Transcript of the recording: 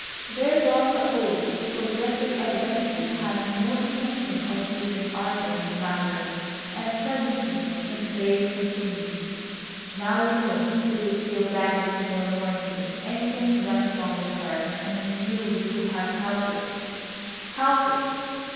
There was a pause, for Geoffrey evidently had no intention of even arguing the matter, and presently McVay continued: "Now you know you would feel badly to morrow morning if anything went wrong with her, and you knew you could have helped it!" "Helped it!"